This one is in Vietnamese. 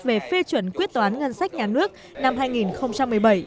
về phê chuẩn quyết toán ngân sách nhà nước năm hai nghìn một mươi bảy